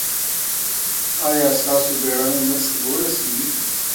ایا ستاسو بیړنۍ مرسته به ورسیږي؟